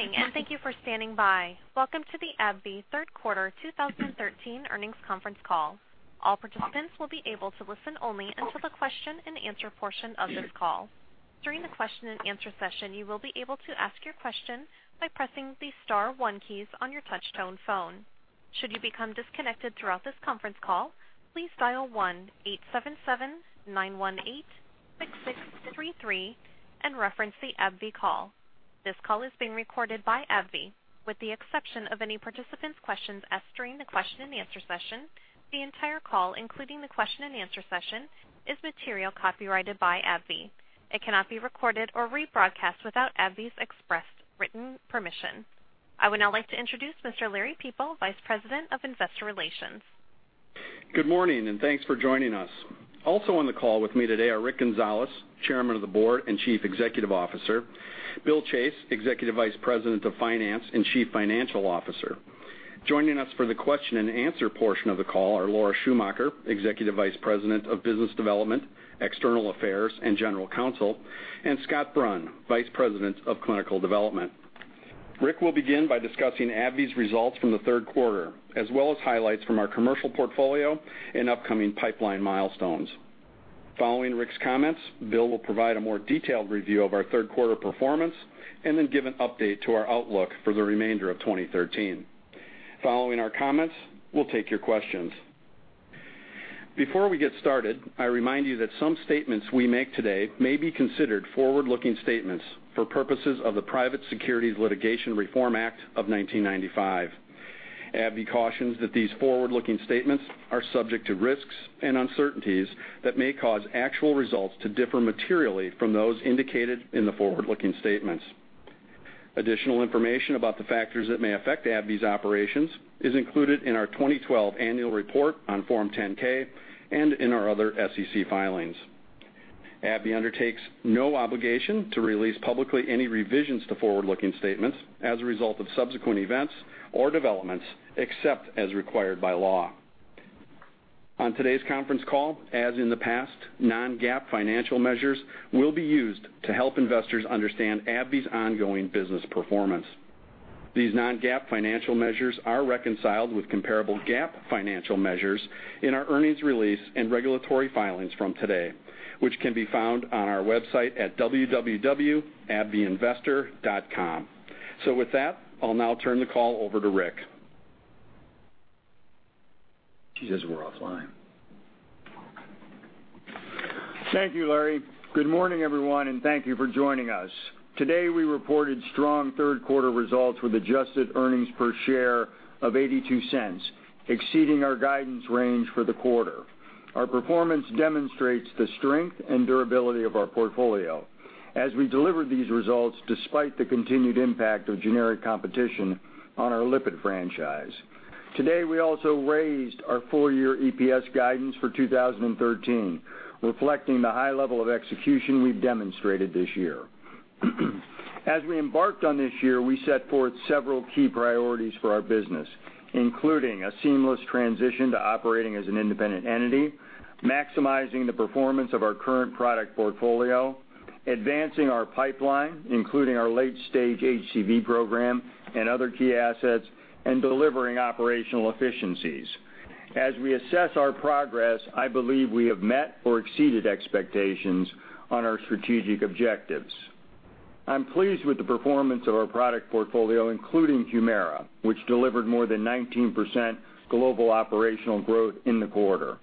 Good morning, thank you for standing by. Welcome to the AbbVie Third Quarter 2013 Earnings Conference Call. All participants will be able to listen only until the question and answer portion of this call. During the question and answer session, you will be able to ask your questions by pressing the star one keys on your touch-tone phone. Should you become disconnected throughout this conference call, please dial 1-877-918-6633 and reference the AbbVie call. This call is being recorded by AbbVie. With the exception of any participants' questions asked during the question and answer session, the entire call, including the question and answer session, is material copyrighted by AbbVie. It cannot be recorded or rebroadcast without AbbVie's express written permission. I would now like to introduce Mr. Larry Peepo, Vice President of Investor Relations. Good morning, thanks for joining us. Also on the call with me today are Rick Gonzalez, Chairman of the Board and Chief Executive Officer, Bill Chase, Executive Vice President of Finance and Chief Financial Officer. Joining us for the question and answer portion of the call are Laura Schumacher, Executive Vice President of Business Development, External Affairs, and General Counsel, and Scott Brun, Vice President of Clinical Development. Rick will begin by discussing AbbVie's results from the third quarter, as well as highlights from our commercial portfolio and upcoming pipeline milestones. Following Rick's comments, Bill will provide a more detailed review of our third quarter performance, then give an update to our outlook for the remainder of 2013. Following our comments, we'll take your questions. Before we get started, I remind you that some statements we make today may be considered forward-looking statements for purposes of the Private Securities Litigation Reform Act of 1995. AbbVie cautions that these forward-looking statements are subject to risks and uncertainties that may cause actual results to differ materially from those indicated in the forward-looking statements. Additional information about the factors that may affect AbbVie's operations is included in our 2012 annual report on Form 10-K and in our other SEC filings. AbbVie undertakes no obligation to release publicly any revisions to forward-looking statements as a result of subsequent events or developments, except as required by law. On today's conference call, as in the past, non-GAAP financial measures will be used to help investors understand AbbVie's ongoing business performance. These non-GAAP financial measures are reconciled with comparable GAAP financial measures in our earnings release and regulatory filings from today, which can be found on our website at www.abbvieinvestor.com. With that, I'll now turn the call over to Rick. She says we're offline. Thank you, Larry. Good morning, everyone, and thank you for joining us. Today, we reported strong third quarter results with adjusted earnings per share of $0.82, exceeding our guidance range for the quarter. Our performance demonstrates the strength and durability of our portfolio as we deliver these results despite the continued impact of generic competition on our lipid franchise. Today, we also raised our full-year EPS guidance for 2013, reflecting the high level of execution we've demonstrated this year. As we embarked on this year, we set forth several key priorities for our business, including a seamless transition to operating as an independent entity, maximizing the performance of our current product portfolio, advancing our pipeline, including our late-stage HCV program and other key assets, and delivering operational efficiencies. As we assess our progress, I believe we have met or exceeded expectations on our strategic objectives. I'm pleased with the performance of our product portfolio, including HUMIRA, which delivered more than 19% global operational growth in the quarter.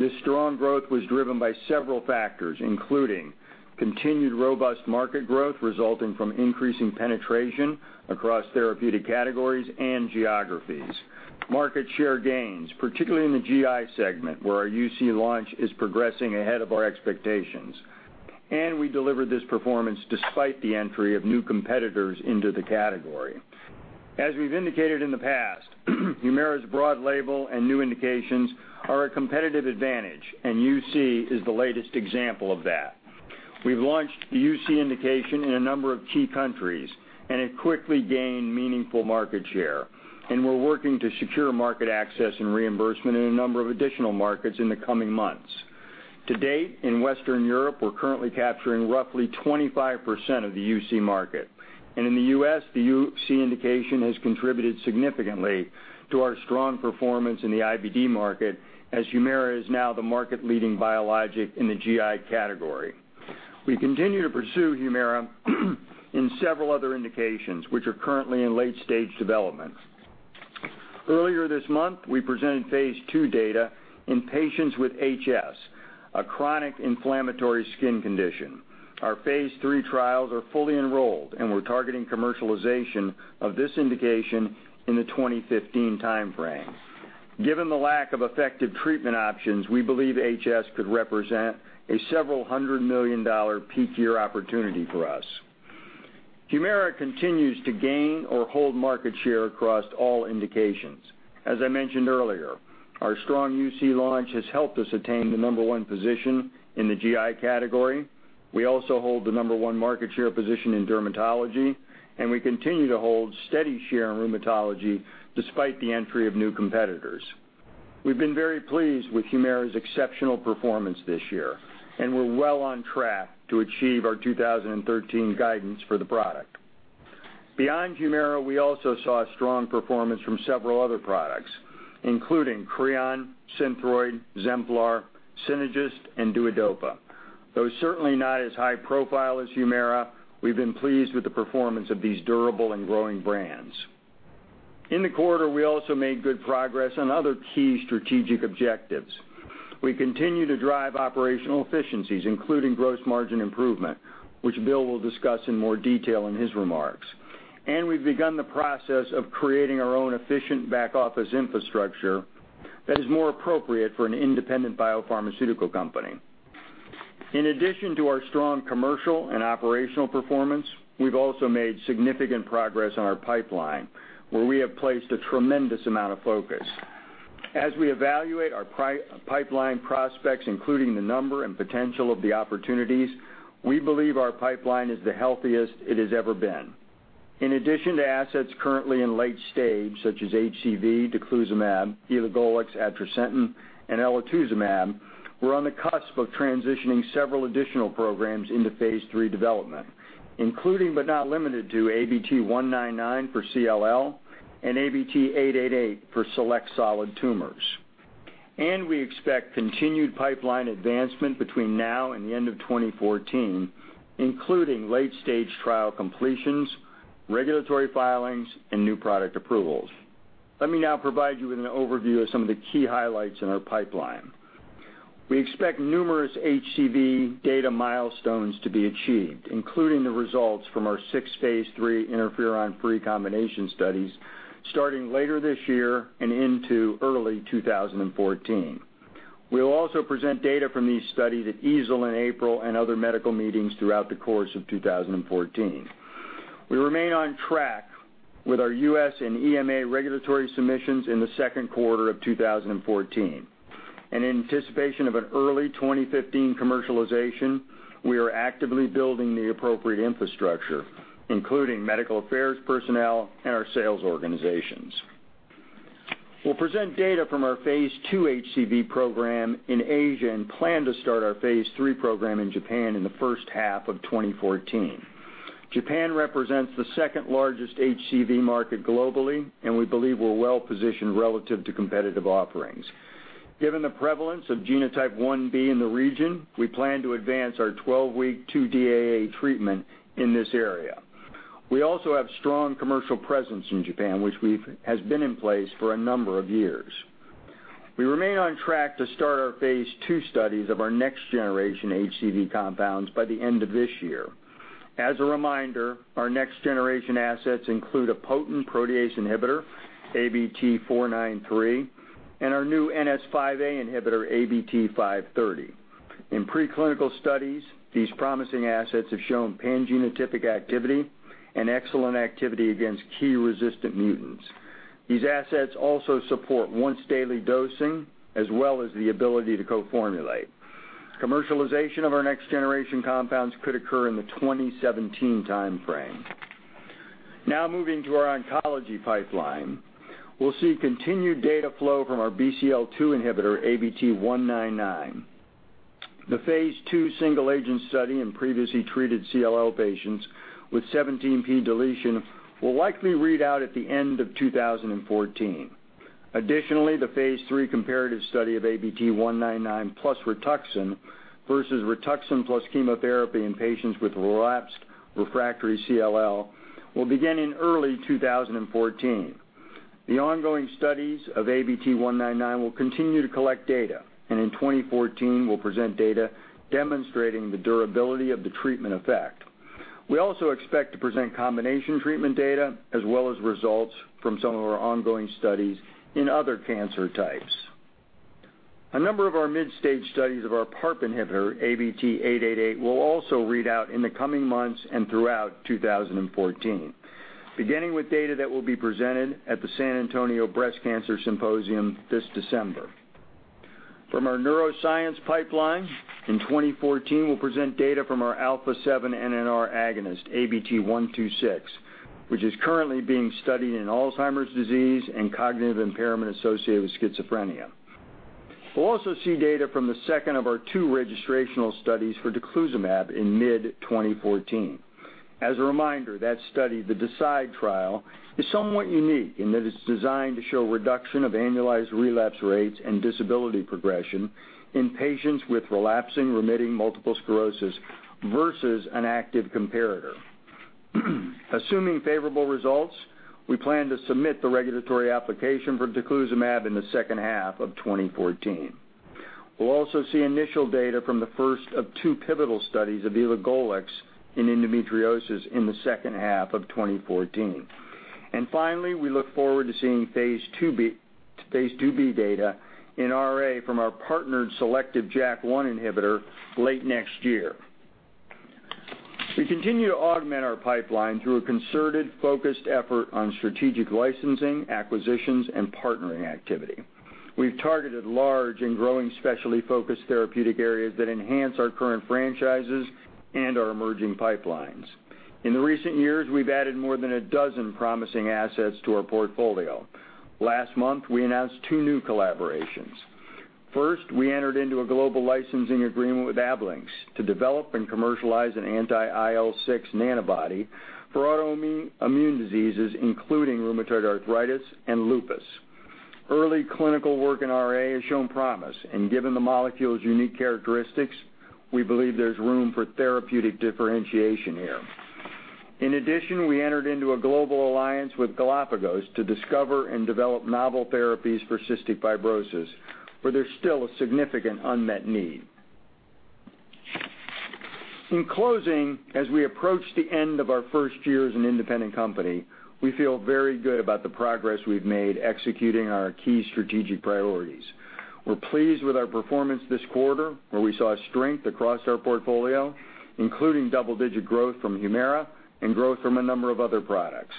This strong growth was driven by several factors, including continued robust market growth resulting from increasing penetration across therapeutic categories and geographies. Market share gains, particularly in the GI segment, where our UC launch is progressing ahead of our expectations. We delivered this performance despite the entry of new competitors into the category. As we've indicated in the past, HUMIRA's broad label and new indications are a competitive advantage, and UC is the latest example of that. We've launched the UC indication in a number of key countries, and it quickly gained meaningful market share, and we're working to secure market access and reimbursement in a number of additional markets in the coming months. To date, in Western Europe, we're currently capturing roughly 25% of the UC market. In the U.S., the UC indication has contributed significantly to our strong performance in the IBD market, as HUMIRA is now the market-leading biologic in the GI category. We continue to pursue HUMIRA in several other indications, which are currently in late-stage development. Earlier this month, we presented phase II data in patients with HS, a chronic inflammatory skin condition. Our phase III trials are fully enrolled, and we're targeting commercialization of this indication in the 2015 timeframe. Given the lack of effective treatment options, we believe HS could represent a several hundred million dollar peak year opportunity for us. HUMIRA continues to gain or hold market share across all indications. As I mentioned earlier, our strong UC launch has helped us attain the number one position in the GI category. We also hold the number one market share position in dermatology, and we continue to hold steady share in rheumatology despite the entry of new competitors. We've been very pleased with HUMIRA's exceptional performance this year, and we're well on track to achieve our 2013 guidance for the product. Beyond HUMIRA, we also saw strong performance from several other products, including CREON, SYNTHROID, Zemplar, Synagis, and DUODOPA. Though certainly not as high profile as HUMIRA, we've been pleased with the performance of these durable and growing brands. In the quarter, we also made good progress on other key strategic objectives. We continue to drive operational efficiencies, including gross margin improvement, which Bill will discuss in more detail in his remarks. We've begun the process of creating our own efficient back-office infrastructure that is more appropriate for an independent biopharmaceutical company. In addition to our strong commercial and operational performance, we've also made significant progress on our pipeline, where we have placed a tremendous amount of focus. As we evaluate our pipeline prospects, including the number and potential of the opportunities, we believe our pipeline is the healthiest it has ever been. In addition to assets currently in late stage, such as HCV, daclizumab, elagolix, aducanumab, and elotuzumab, we're on the cusp of transitioning several additional programs into phase III development, including but not limited to ABT-199 for CLL and ABT-888 for select solid tumors. We expect continued pipeline advancement between now and the end of 2014, including late-stage trial completions, regulatory filings, and new product approvals. Let me now provide you with an overview of some of the key highlights in our pipeline. We expect numerous HCV data milestones to be achieved, including the results from our six phase III interferon-free combination studies starting later this year and into early 2014. We will also present data from these studies at EASL in April and other medical meetings throughout the course of 2014. We remain on track with our U.S. and EMA regulatory submissions in the second quarter of 2014. In anticipation of an early 2015 commercialization, we are actively building the appropriate infrastructure, including medical affairs personnel and our sales organizations. We'll present data from our phase II HCV program in Asia and plan to start our phase III program in Japan in the first half of 2014. Japan represents the second-largest HCV market globally, and we believe we're well-positioned relative to competitive offerings. Given the prevalence of genotype 1b in the region, we plan to advance our 12-week 2DAA treatment in this area. We also have strong commercial presence in Japan, which has been in place for a number of years. We remain on track to start our phase II studies of our next-generation HCV compounds by the end of this year. As a reminder, our next-generation assets include a potent protease inhibitor, ABT-493, and our new NS5A inhibitor, ABT-530. In pre-clinical studies, these promising assets have shown pangenotypic activity and excellent activity against key resistant mutants. These assets also support once-daily dosing, as well as the ability to co-formulate. Commercialization of our next-generation compounds could occur in the 2017 timeframe. Moving to our oncology pipeline, we'll see continued data flow from our BCL-2 inhibitor, ABT-199. The phase II single-agent study in previously treated CLL patients with 17p deletion will likely read out at the end of 2014. Additionally, the phase III comparative study of ABT-199 plus Rituxan versus Rituxan plus chemotherapy in patients with relapsed refractory CLL will begin in early 2014. The ongoing studies of ABT-199 will continue to collect data, and in 2014, will present data demonstrating the durability of the treatment effect. We also expect to present combination treatment data as well as results from some of our ongoing studies in other cancer types. A number of our mid-stage studies of our PARP inhibitor, ABT-888, will also read out in the coming months and throughout 2014, beginning with data that will be presented at the San Antonio Breast Cancer Symposium this December. From our neuroscience pipeline, in 2014, we'll present data from our alpha 7 nAChR agonist, ABT-126, which is currently being studied in Alzheimer's disease and cognitive impairment associated with schizophrenia. We'll also see data from the second of our two registrational studies for daclizumab in mid-2014. As a reminder, that study, the DECIDE trial, is somewhat unique in that it's designed to show reduction of annualized relapse rates and disability progression in patients with relapsing remitting multiple sclerosis versus an active comparator. Assuming favorable results, we plan to submit the regulatory application for daclizumab in the second half of 2014. We'll also see initial data from the first of two pivotal studies of elagolix in endometriosis in the second half of 2014. Finally, we look forward to seeing phase II-B data in RA from our partnered selective JAK1 inhibitor late next year. We continue to augment our pipeline through a concerted, focused effort on strategic licensing, acquisitions, and partnering activity. We've targeted large and growing specialty-focused therapeutic areas that enhance our current franchises and our emerging pipelines. In the recent years, we've added more than a dozen promising assets to our portfolio. Last month, we announced two new collaborations. First, we entered into a global licensing agreement with Ablynx to develop and commercialize an anti-IL-6 Nanobody for autoimmune diseases, including rheumatoid arthritis and lupus. Early clinical work in RA has shown promise, and given the molecule's unique characteristics, we believe there's room for therapeutic differentiation here. In addition, we entered into a global alliance with Galapagos to discover and develop novel therapies for cystic fibrosis, where there's still a significant unmet need. In closing, as we approach the end of our first year as an independent company, we feel very good about the progress we've made executing our key strategic priorities. We're pleased with our performance this quarter, where we saw strength across our portfolio, including double-digit growth from HUMIRA and growth from a number of other products.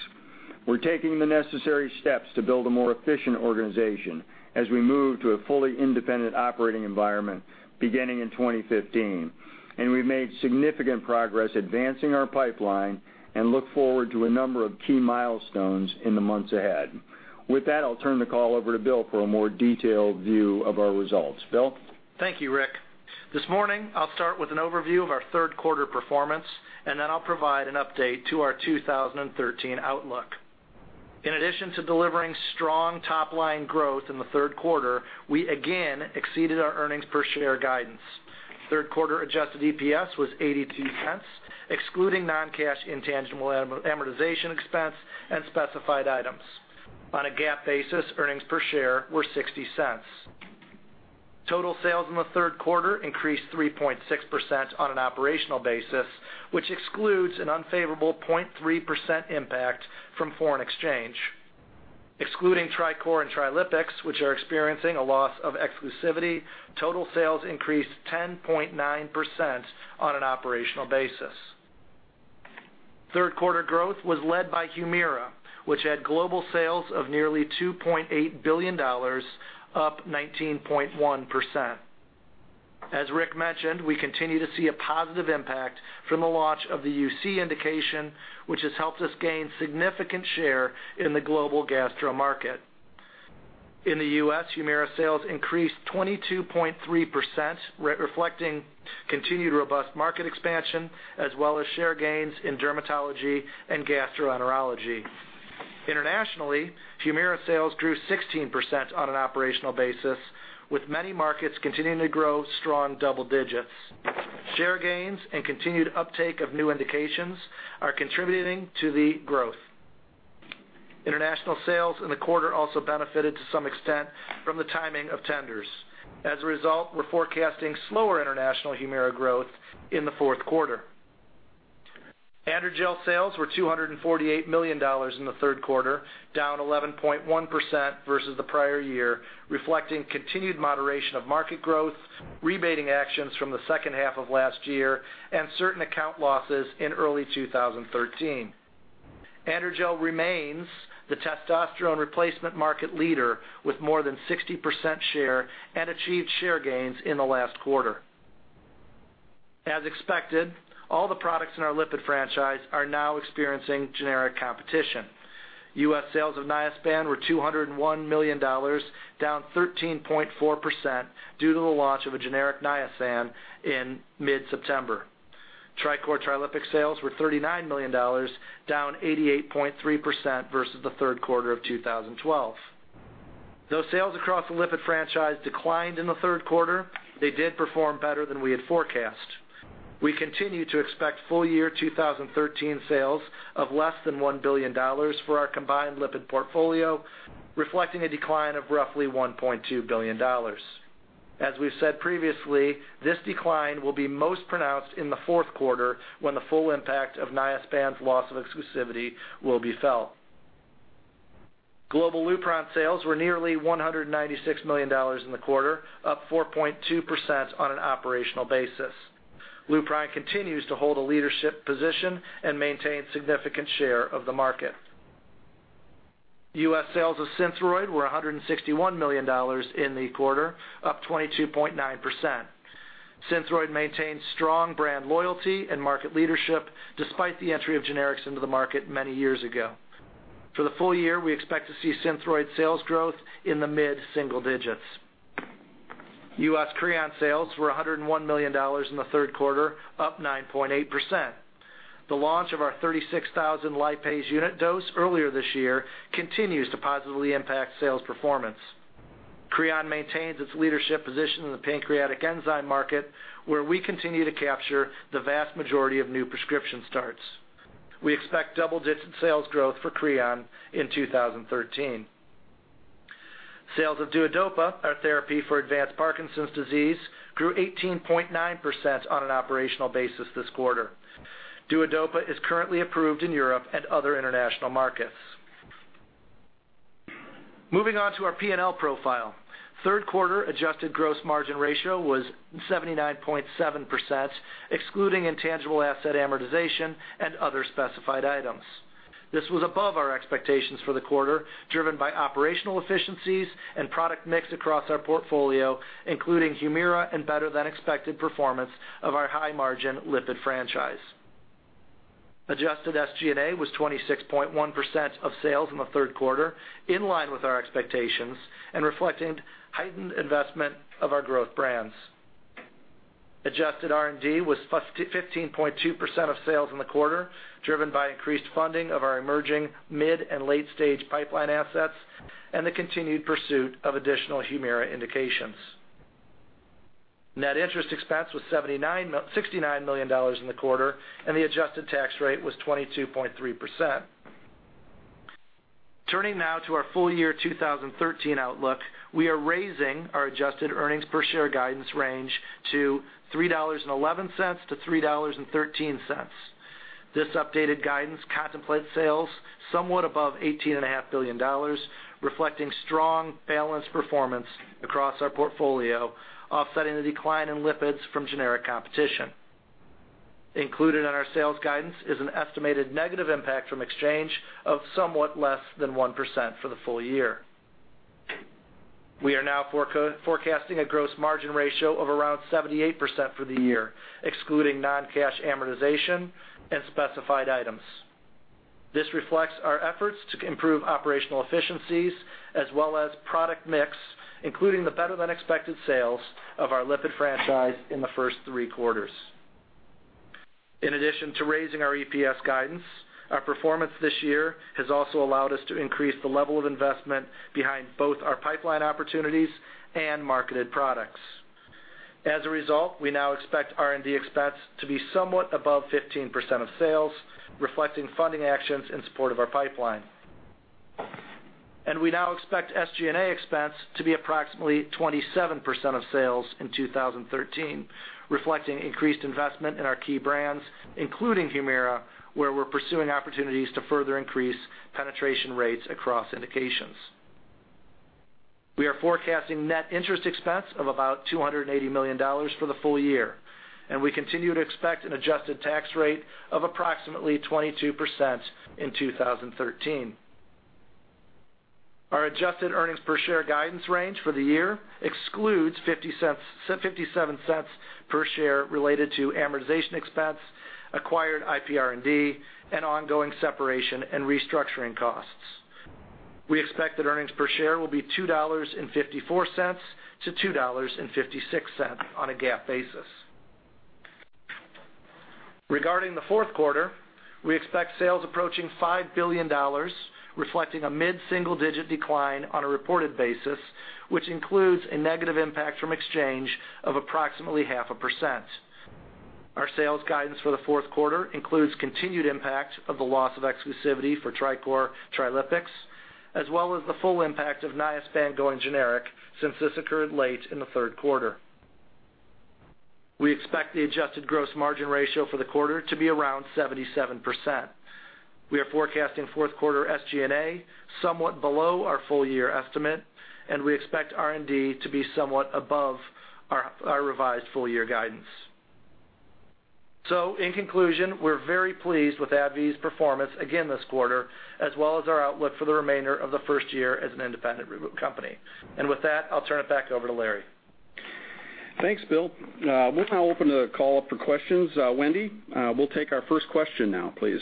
We're taking the necessary steps to build a more efficient organization as we move to a fully independent operating environment beginning in 2015. We've made significant progress advancing our pipeline and look forward to a number of key milestones in the months ahead. With that, I'll turn the call over to Bill for a more detailed view of our results. Bill? Thank you, Rick. This morning, I'll start with an overview of our third quarter performance. Then I'll provide an update to our 2013 outlook. In addition to delivering strong top-line growth in the third quarter, we again exceeded our earnings per share guidance. Third quarter adjusted EPS was $0.82, excluding non-cash intangible amortization expense and specified items. On a GAAP basis, earnings per share were $0.60. Total sales in the third quarter increased 3.6% on an operational basis, which excludes an unfavorable 0.3% impact from foreign exchange. Excluding TriCor and Trilipix, which are experiencing a loss of exclusivity, total sales increased 10.9% on an operational basis. Third quarter growth was led by HUMIRA, which had global sales of nearly $2.8 billion, up 19.1%. As Rick mentioned, we continue to see a positive impact from the launch of the UC indication, which has helped us gain significant share in the global gastro market. In the U.S., HUMIRA sales increased 22.3%, reflecting continued robust market expansion, as well as share gains in dermatology and gastroenterology. Internationally, HUMIRA sales grew 16% on an operational basis, with many markets continuing to grow strong double digits. Share gains and continued uptake of new indications are contributing to the growth. International sales in the quarter also benefited to some extent from the timing of tenders. As a result, we are forecasting slower international HUMIRA growth in the fourth quarter. AndroGel sales were $248 million in the third quarter, down 11.1% versus the prior year, reflecting continued moderation of market growth, rebating actions from the second half of last year, and certain account losses in early 2013. AndroGel remains the testosterone replacement market leader with more than 60% share and achieved share gains in the last quarter. As expected, all the products in our lipid franchise are now experiencing generic competition. U.S. sales of Niaspan were $201 million, down 13.4% due to the launch of a generic Niaspan in mid-September. TriCor, Trilipix sales were $39 million, down 88.3% versus the third quarter of 2012. Though sales across the lipid franchise declined in the third quarter, they did perform better than we had forecast. We continue to expect full year 2013 sales of less than $1 billion for our combined lipid portfolio, reflecting a decline of roughly $1.2 billion. As we have said previously, this decline will be most pronounced in the fourth quarter when the full impact of Niaspan's loss of exclusivity will be felt. Global LUPRON sales were nearly $196 million in the quarter, up 4.2% on an operational basis. LUPRON continues to hold a leadership position and maintain significant share of the market. U.S. sales of SYNTHROID were $161 million in the quarter, up 22.9%. SYNTHROID maintains strong brand loyalty and market leadership despite the entry of generics into the market many years ago. For the full year, we expect to see SYNTHROID sales growth in the mid-single digits. U.S. CREON sales were $101 million in the third quarter, up 9.8%. The launch of our 36,000 lipase unit dose earlier this year continues to positively impact sales performance. CREON maintains its leadership position in the pancreatic enzyme market, where we continue to capture the vast majority of new prescription starts. We expect double-digit sales growth for CREON in 2013. Sales of DUODOPA, our therapy for advanced Parkinson's disease, grew 18.9% on an operational basis this quarter. DUODOPA is currently approved in Europe and other international markets. Moving on to our P&L profile. Third quarter adjusted gross margin ratio was 79.7%, excluding intangible asset amortization and other specified items. This was above our expectations for the quarter, driven by operational efficiencies and product mix across our portfolio, including HUMIRA and better-than-expected performance of our high-margin lipid franchise. Adjusted SG&A was 26.1% of sales in the third quarter, in line with our expectations and reflecting heightened investment of our growth brands. Adjusted R&D was 15.2% of sales in the quarter, driven by increased funding of our emerging mid and late-stage pipeline assets and the continued pursuit of additional HUMIRA indications. Net interest expense was $69 million in the quarter, and the adjusted tax rate was 22.3%. Turning now to our full year 2013 outlook. We are raising our adjusted earnings per share guidance range to $3.11-$3.13. This updated guidance contemplates sales somewhat above $18.5 billion, reflecting strong balanced performance across our portfolio, offsetting the decline in lipids from generic competition. Included in our sales guidance is an estimated negative impact from exchange of somewhat less than 1% for the full year. We are now forecasting a gross margin ratio of around 78% for the year, excluding non-cash amortization and specified items. This reflects our efforts to improve operational efficiencies as well as product mix, including the better-than-expected sales of our lipid franchise in the first three quarters. In addition to raising our EPS guidance, our performance this year has also allowed us to increase the level of investment behind both our pipeline opportunities and marketed products. As a result, we now expect R&D expense to be somewhat above 15% of sales, reflecting funding actions in support of our pipeline. We now expect SG&A expense to be approximately 27% of sales in 2013, reflecting increased investment in our key brands, including HUMIRA, where we're pursuing opportunities to further increase penetration rates across indications. We are forecasting net interest expense of about $280 million for the full year. We continue to expect an adjusted tax rate of approximately 22% in 2013. Our adjusted earnings per share guidance range for the year excludes $0.57 per share related to amortization expense, acquired IP R&D, and ongoing separation and restructuring costs. We expect that earnings per share will be $2.54-$2.56 on a GAAP basis. Regarding the fourth quarter, we expect sales approaching $5 billion, reflecting a mid-single-digit decline on a reported basis, which includes a negative impact from exchange of approximately half a percent. Our sales guidance for the fourth quarter includes continued impact of the loss of exclusivity for TriCor, Trilipix, as well as the full impact of Niaspan going generic, since this occurred late in the third quarter. We expect the adjusted gross margin ratio for the quarter to be around 77%. We are forecasting fourth quarter SG&A somewhat below our full-year estimate. We expect R&D to be somewhat above our revised full-year guidance. In conclusion, we're very pleased with AbbVie's performance again this quarter, as well as our outlook for the remainder of the first year as an independent reboot company. With that, I'll turn it back over to Larry. Thanks, Bill. We'll now open the call up for questions. Wendy, we'll take our first question now, please.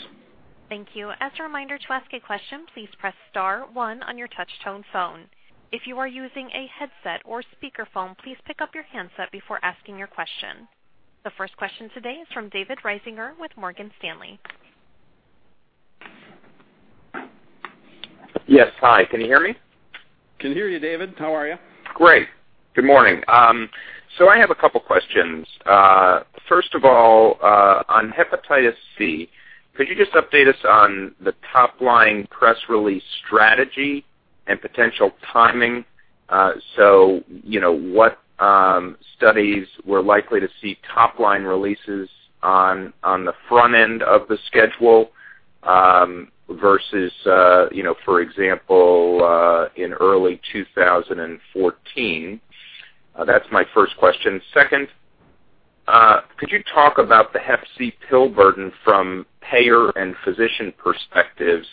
Thank you. As a reminder, to ask a question, please press *1 on your touch tone phone. If you are using a headset or speakerphone, please pick up your handset before asking your question. The first question today is from David Risinger with Morgan Stanley. Yes. Hi, can you hear me? Can hear you, David. How are you? Great. Good morning. I have a couple questions. First of all, on Hepatitis C, could you just update us on the top-line press release strategy and potential timing? What studies we're likely to see top-line releases on the front end of the schedule versus for example, in early 2014? That's my first question. Second, could you talk about the hep C pill burden from payer and physician perspectives?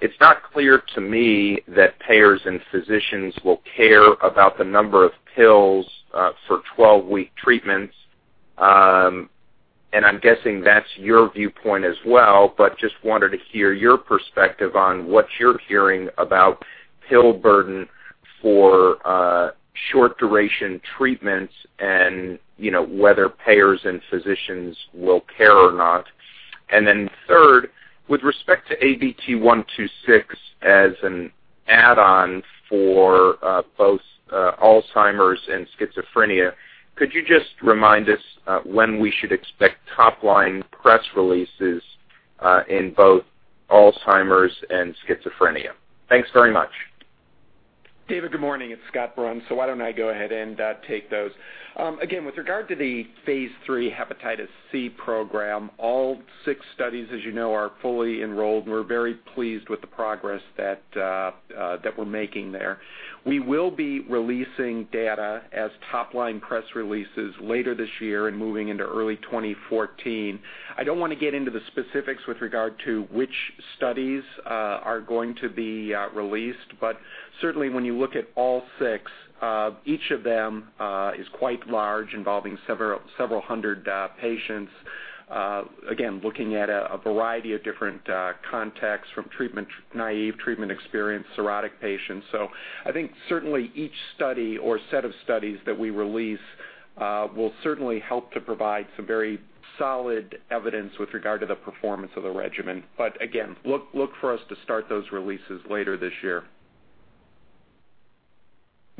It's not clear to me that payers and physicians will care about the number of pills for 12-week treatments. I'm guessing that's your viewpoint as well, but just wanted to hear your perspective on what you're hearing about pill burden for short-duration treatments and whether payers and physicians will care or not. Third, with respect to ABT-126 as an add-on for both Alzheimer's and schizophrenia, could you just remind us when we should expect top-line press releases in both Alzheimer's and schizophrenia? Thanks very much. David, good morning. It's Scott Brun. Why don't I go ahead and take those. With regard to the phase III hepatitis C program, all six studies, as you know, are fully enrolled, and we're very pleased with the progress that we're making there. We will be releasing data as top-line press releases later this year and moving into early 2014. I don't want to get into the specifics with regard to which studies are going to be released, but certainly when you look at all six, each of them is quite large, involving several hundred patients Looking at a variety of different contexts from treatment-naive, treatment-experienced, cirrhotic patients. I think certainly each study or set of studies that we release will certainly help to provide some very solid evidence with regard to the performance of the regimen. Look for us to start those releases later this year.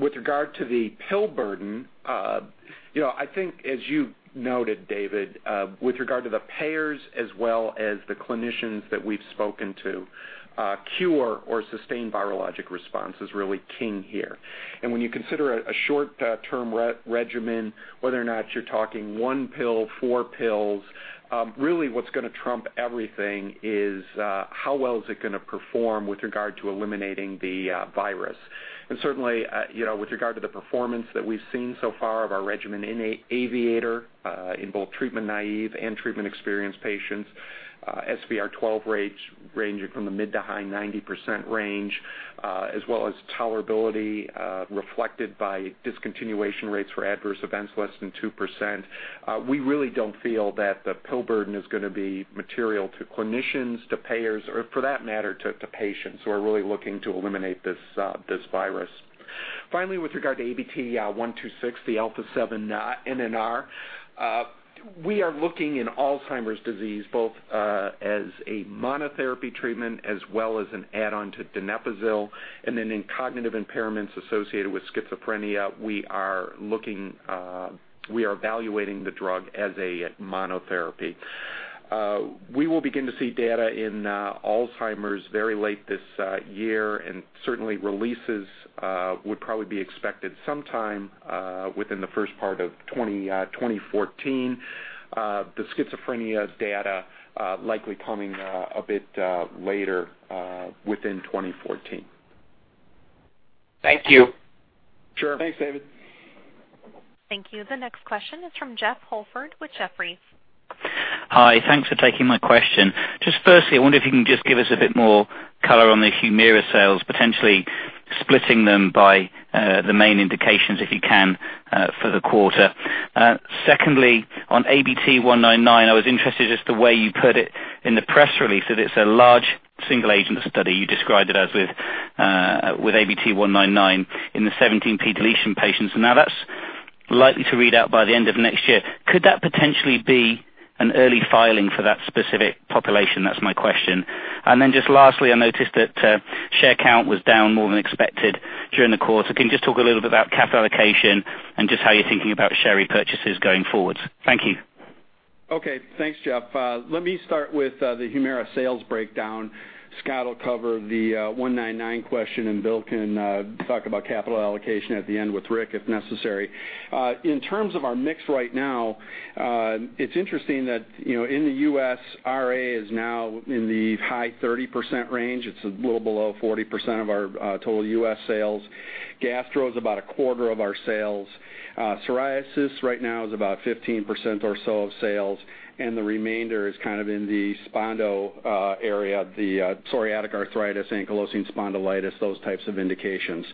With regard to the pill burden, I think as you noted, David, with regard to the payers as well as the clinicians that we've spoken to, cure or sustained virologic response is really king here. When you consider a short-term regimen, whether or not you're talking one pill, four pills, really what's going to trump everything is how well is it going to perform with regard to eliminating the virus. Certainly, with regard to the performance that we've seen so far of our regimen in AVIATOR, in both treatment-naive and treatment-experienced patients, SVR12 rates ranging from the mid to high 90% range, as well as tolerability reflected by discontinuation rates for adverse events less than 2%. We really don't feel that the pill burden is going to be material to clinicians, to payers, or for that matter, to patients who are really looking to eliminate this virus. Finally, with regard to ABT-126, the alpha seven nAChR, we are looking in Alzheimer's disease, both as a monotherapy treatment as well as an add-on to donepezil, and then in cognitive impairments associated with schizophrenia, we are evaluating the drug as a monotherapy. We will begin to see data in Alzheimer's very late this year, and certainly releases would probably be expected sometime within the first part of 2014. The schizophrenia data likely coming a bit later within 2014. Thank you. Sure. Thanks, David. Thank you. The next question is from Jeff Holford with Jefferies. Hi. Thanks for taking my question. Just firstly, I wonder if you can just give us a bit more color on the HUMIRA sales, potentially splitting them by the main indications, if you can, for the quarter. Secondly, on ABT-199, I was interested just the way you put it in the press release, that it's a large single-agent study you described it as with ABT-199 in the 17p deletion patients. That's likely to read out by the end of next year. Could that potentially be an early filing for that specific population? That's my question. Just lastly, I noticed that share count was down more than expected during the quarter. Can you just talk a little bit about capital allocation and just how you're thinking about share repurchases going forward? Thank you. Okay. Thanks, Jeff. Let me start with the HUMIRA sales breakdown. Scott will cover the 199 question, and Bill can talk about capital allocation at the end with Rick, if necessary. In terms of our mix right now, it's interesting that in the U.S., RA is now in the high 30% range. It's a little below 40% of our total U.S. sales. Gastro is about a quarter of our sales. Psoriasis right now is about 15% or so of sales, and the remainder is kind of in the spondo area, the psoriatic arthritis, ankylosing spondylitis, those types of indications.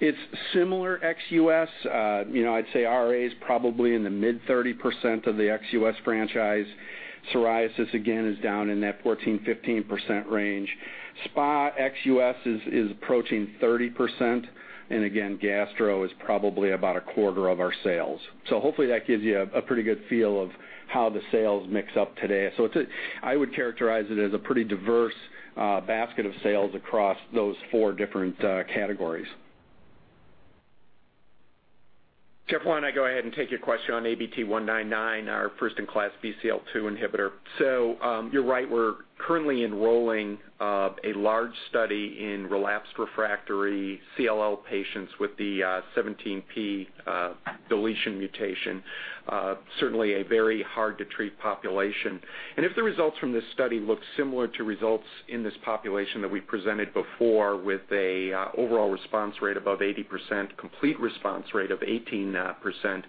It's similar ex-U.S. I'd say RA is probably in the mid-30% of the ex-U.S. franchise. Psoriasis, again, is down in that 14, 15% range. Spa ex-U.S. is approaching 30%, and again, gastro is probably about a quarter of our sales. Hopefully that gives you a pretty good feel of how the sales mix up today. I would characterize it as a pretty diverse basket of sales across those four different categories. Jeff Holford, why don't I go ahead and take your question on ABT-199, our first-in-class BCL-2 inhibitor. You're right, we're currently enrolling a large study in relapsed refractory CLL patients with the 17p deletion mutation. Certainly a very hard-to-treat population. If the results from this study look similar to results in this population that we presented before with an overall response rate above 80%, complete response rate of 18%,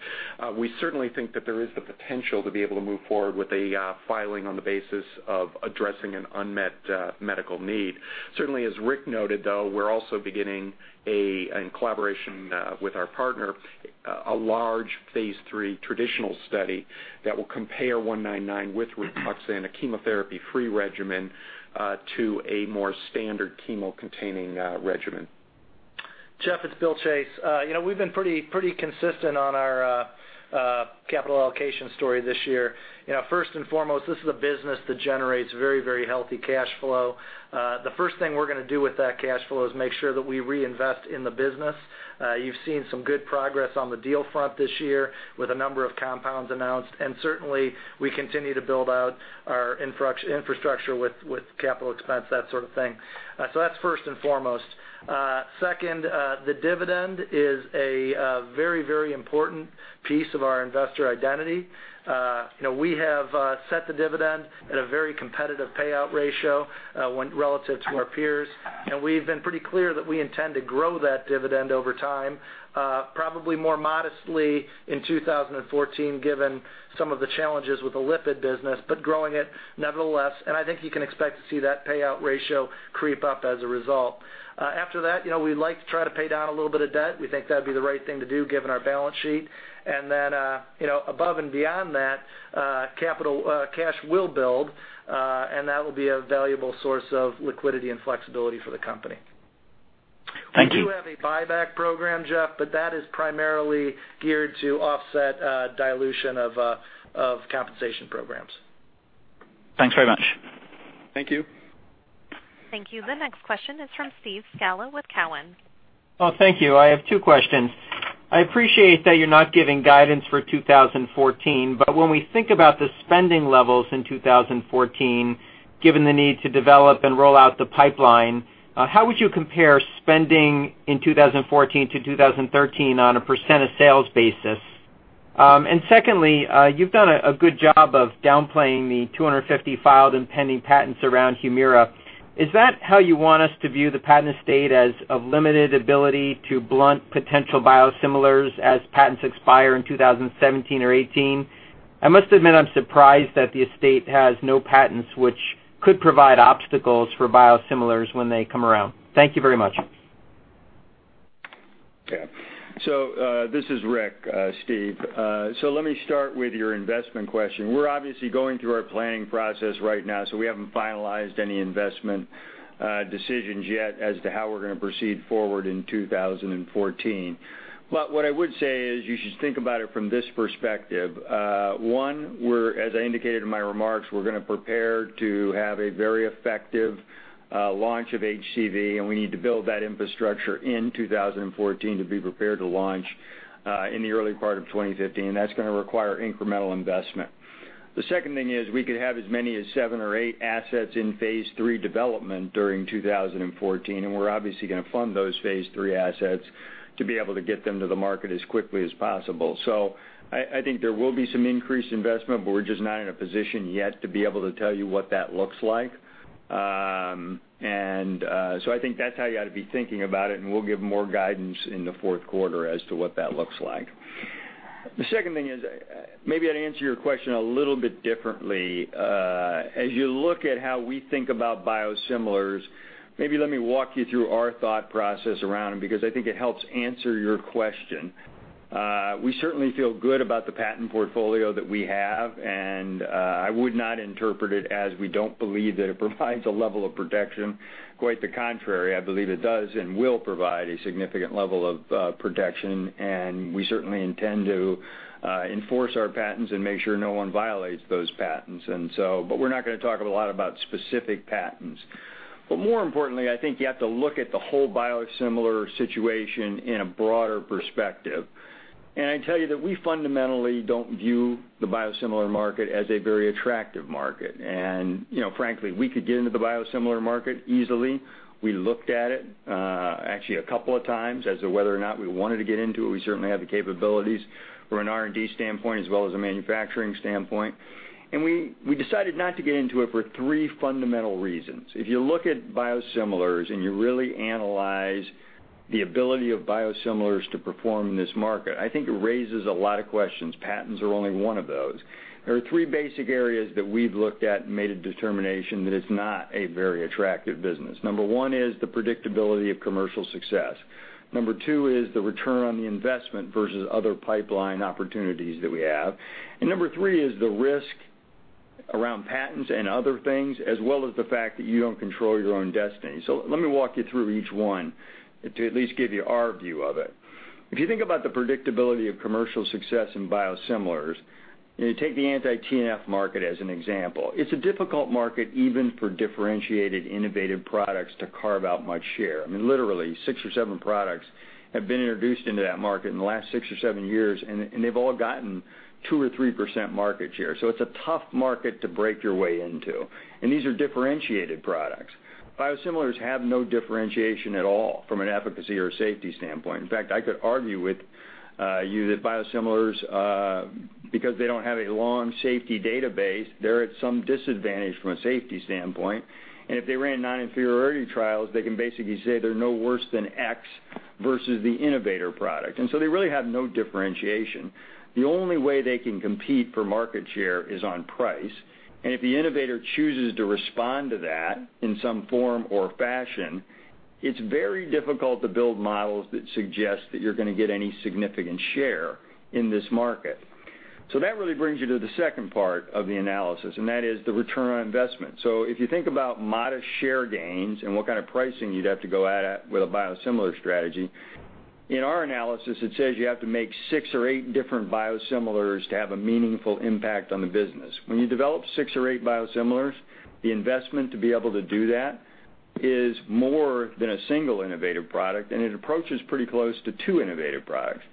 we certainly think that there is the potential to be able to move forward with a filing on the basis of addressing an unmet medical need. Certainly as Rick Gonzalez noted, though, we're also beginning, in collaboration with our partner, a large phase III traditional study that will compare 199 with Rituxan and a chemotherapy-free regimen to a more standard chemo-containing regimen. Jeff Holford, it's Bill Chase. We've been pretty consistent on our capital allocation story this year. First and foremost, this is a business that generates very healthy cash flow. The first thing we're going to do with that cash flow is make sure that we reinvest in the business. You've seen some good progress on the deal front this year with a number of compounds announced, certainly we continue to build out our infrastructure with capital expense, that sort of thing. That's first and foremost. Second, the dividend is a very important piece of our investor identity. We have set the dividend at a very competitive payout ratio relative to our peers, we've been pretty clear that we intend to grow that dividend over time, probably more modestly in 2014 given some of the challenges with the lipid business, but growing it nevertheless. I think you can expect to see that payout ratio creep up as a result. After that, we'd like to try to pay down a little bit of debt. We think that'd be the right thing to do given our balance sheet. Then above and beyond that, cash will build, that will be a valuable source of liquidity and flexibility for the company. Thank you. We do have a buyback program, Jeff, but that is primarily geared to offset dilution of compensation programs. Thanks very much. Thank you. Thank you. The next question is from Steve Scala with Cowen. Thank you. I have two questions. I appreciate that you're not giving guidance for 2014, but when we think about the spending levels in 2014, given the need to develop and roll out the pipeline, how would you compare spending in 2014 to 2013 on a % of sales basis? Secondly, you've done a good job of downplaying the 250 filed and pending patents around HUMIRA. Is that how you want us to view the patent estate as of limited ability to blunt potential biosimilars as patents expire in 2017 or 2018? I must admit, I'm surprised that the estate has no patents which could provide obstacles for biosimilars when they come around. Thank you very much. This is Rick, Steve. Let me start with your investment question. We're obviously going through our planning process right now, we haven't finalized any investment decisions yet as to how we're going to proceed forward in 2014. What I would say is, you should think about it from this perspective. One, as I indicated in my remarks, we're going to prepare to have a very effective launch of HCV, and we need to build that infrastructure in 2014 to be prepared to launch, in the early part of 2015. That's going to require incremental investment. The second thing is, we could have as many as seven or eight assets in phase III development during 2014, we're obviously going to fund those phase III assets to be able to get them to the market as quickly as possible. I think there will be some increased investment, we're just not in a position yet to be able to tell you what that looks like. I think that's how you got to be thinking about it, we'll give more guidance in the fourth quarter as to what that looks like. The second thing is, maybe I'd answer your question a little bit differently. As you look at how we think about biosimilars, maybe let me walk you through our thought process around them, because I think it helps answer your question. We certainly feel good about the patent portfolio that we have, I would not interpret it as we don't believe that it provides a level of protection. Quite the contrary, I believe it does and will provide a significant level of protection, and we certainly intend to enforce our patents and make sure no one violates those patents. We're not going to talk a lot about specific patents. More importantly, I think you have to look at the whole biosimilar situation in a broader perspective. I tell you that we fundamentally don't view the biosimilar market as a very attractive market. Frankly, we could get into the biosimilar market easily. We looked at it, actually a couple of times as to whether or not we wanted to get into it. We certainly have the capabilities from an R&D standpoint as well as a manufacturing standpoint. We decided not to get into it for three fundamental reasons. If you look at biosimilars and you really analyze the ability of biosimilars to perform in this market, I think it raises a lot of questions. Patents are only one of those. There are three basic areas that we've looked at and made a determination that it's not a very attractive business. Number 1 is the predictability of commercial success. Number 2 is the return on the investment versus other pipeline opportunities that we have. Number 3 is the risk around patents and other things, as well as the fact that you don't control your own destiny. Let me walk you through each one to at least give you our view of it. If you think about the predictability of commercial success in biosimilars and you take the anti-TNF market as an example, it's a difficult market even for differentiated, innovative products to carve out much share. I mean, literally six or seven products have been introduced into that market in the last six or seven years, and they've all gotten 2% or 3% market share. It's a tough market to break your way into. These are differentiated products. Biosimilars have no differentiation at all from an efficacy or safety standpoint. In fact, I could argue with you that biosimilars, because they don't have a long safety database, they're at some disadvantage from a safety standpoint. If they ran non-inferiority trials, they can basically say they're no worse than X versus the innovator product. They really have no differentiation. The only way they can compete for market share is on price. If the innovator chooses to respond to that in some form or fashion, it's very difficult to build models that suggest that you're going to get any significant share in this market. That really brings you to the second part of the analysis, and that is the return on investment. If you think about modest share gains and what kind of pricing you'd have to go at with a biosimilar strategy, in our analysis, it says you have to make six or eight different biosimilars to have a meaningful impact on the business. When you develop six or eight biosimilars, the investment to be able to do that is more than a single innovative product, and it approaches pretty close to two innovative products.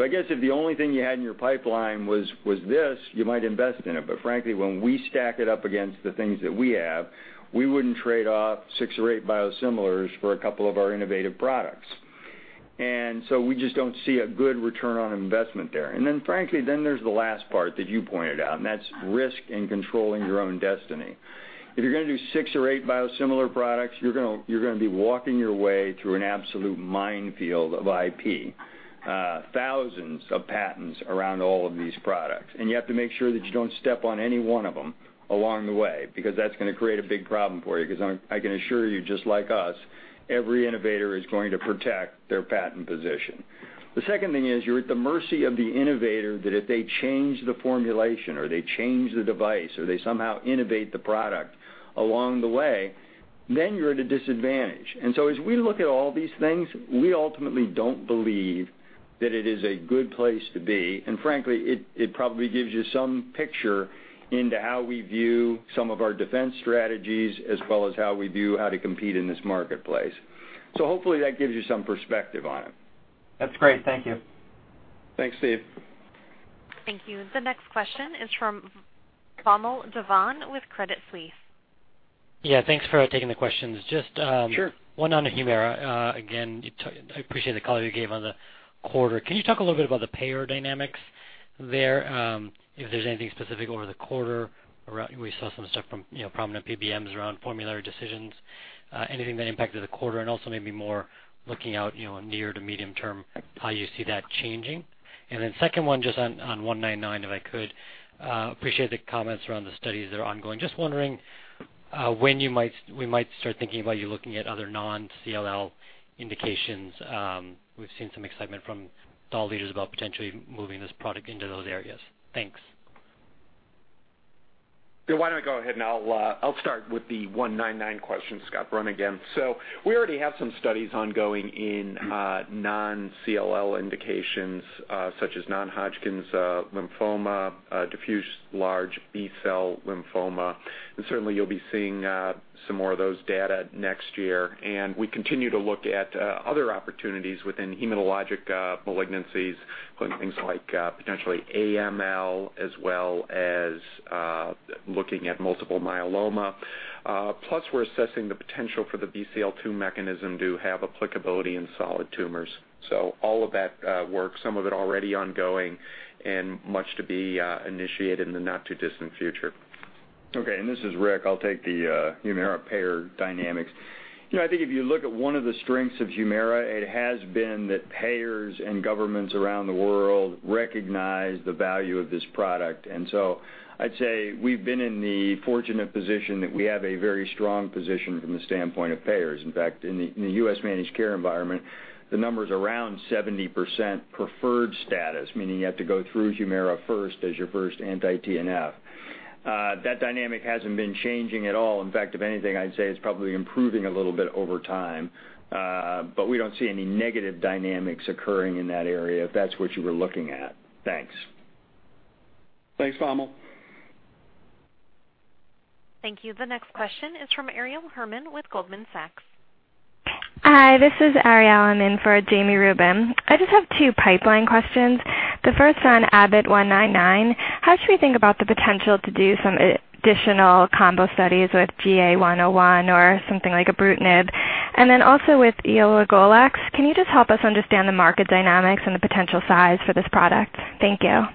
I guess if the only thing you had in your pipeline was this, you might invest in it. Frankly, when we stack it up against the things that we have, we wouldn't trade off six or eight biosimilars for a couple of our innovative products. We just don't see a good return on investment there. Frankly, then there's the last part that you pointed out, and that's risk in controlling your own destiny. If you're going to do six or eight biosimilar products, you're going to be walking your way through an absolute minefield of IP, thousands of patents around all of these products. You have to make sure that you don't step on any one of them along the way, because that's going to create a big problem for you, because I can assure you, just like us, every innovator is going to protect their patent position. The second thing is, you're at the mercy of the innovator that if they change the formulation or they change the device or they somehow innovate the product along the way, then you're at a disadvantage. As we look at all these things, we ultimately don't believe that it is a good place to be. Frankly, it probably gives you some picture into how we view some of our defense strategies as well as how we view how to compete in this marketplace. Hopefully that gives you some perspective on it. That's great. Thank you. Thanks, Steve. Thank you. The next question is from Vamil Divan with Credit Suisse. Yeah. Thanks for taking the questions. Sure. Just one on HUMIRA. Again, I appreciate the color you gave on the quarter. Can you talk a little bit about the payer dynamics there, if there's anything specific over the quarter? We saw some stuff from prominent PBMs around formulary decisions. Anything that impacted the quarter and also maybe more looking out near to medium term, how you see that changing? Then second one, just on 199, if I could. Appreciate the comments around the studies that are ongoing. Just wondering when we might start thinking about you looking at other non-CLL indications. We've seen some excitement from thought leaders about potentially moving this product into those areas. Thanks. Yeah, why don't I go ahead and I'll start with the 199 question. Scott Brun again. We already have some studies ongoing in non-CLL indications, such as non-Hodgkin's lymphoma, diffuse large B-cell lymphoma. Certainly, you'll be seeing some more of those data next year. We continue to look at other opportunities within hematologic malignancies, including things like potentially AML, as well as looking at multiple myeloma. Plus, we're assessing the potential for the BCL-2 mechanism to have applicability in solid tumors. All of that work, some of it already ongoing and much to be initiated in the not-too-distant future. Okay, this is Rick. I'll take the HUMIRA payer dynamics. I think if you look at one of the strengths of HUMIRA, it has been that payers and governments around the world recognize the value of this product. I'd say we've been in the fortunate position that we have a very strong position from the standpoint of payers. In fact, in the U.S. managed care environment, the number's around 70% preferred status, meaning you have to go through HUMIRA first as your first anti-TNF. That dynamic hasn't been changing at all. In fact, if anything, I'd say it's probably improving a little bit over time. We don't see any negative dynamics occurring in that area, if that's what you were looking at. Thanks. Thanks, Vamil. Thank you. The next question is from Jami Rubin with Goldman Sachs. Hi, this is [Arielle]. I'm in for Jami Rubin. I just have two pipeline questions. The first on ABT-199, how should we think about the potential to do some additional combo studies with GA101 or something like ibrutinib? Also with elagolix, can you just help us understand the market dynamics and the potential size for this product? Thank you.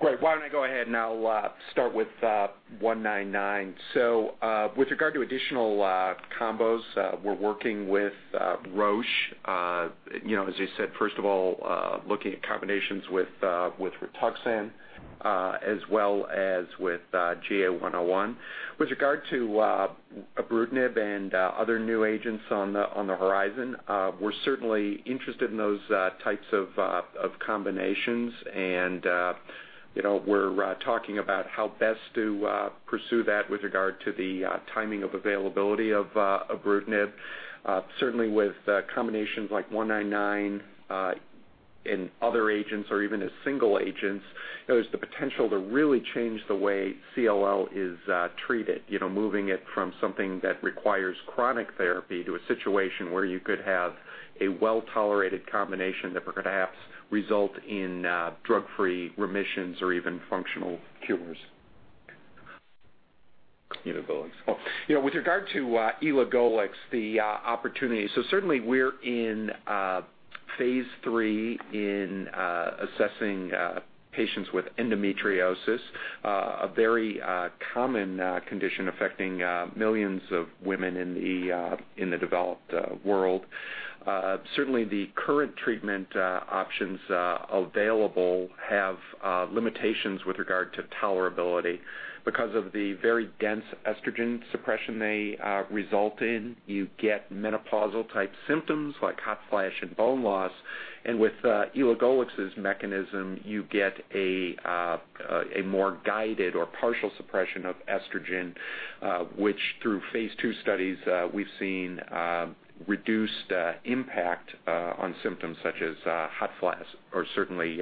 Great. Why don't I go ahead, and I'll start with 199. With regard to additional combos, we're working with Roche. As you said, first of all, looking at combinations with RITUXAN, as well as with GA101. With regard to ibrutinib and other new agents on the horizon, we're certainly interested in those types of combinations, and we're talking about how best to pursue that with regard to the timing of availability of ibrutinib. Certainly, with combinations like 199 in other agents or even as single agents, there's the potential to really change the way CLL is treated, moving it from something that requires chronic therapy to a situation where you could have a well-tolerated combination that would perhaps result in drug-free remissions or even functional cures. With regard to elagolix, the opportunity. Certainly, we're in phase III in assessing patients with endometriosis, a very common condition affecting millions of women in the developed world. Certainly, the current treatment options available have limitations with regard to tolerability. Because of the very dense estrogen suppression they result in, you get menopausal-type symptoms like hot flash and bone loss. With elagolix's mechanism, you get a more guided or partial suppression of estrogen, which through phase II studies, we've seen reduced impact on symptoms such as hot flash or certainly